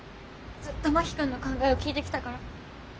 ずっと真木君の考えを聞いてきたから。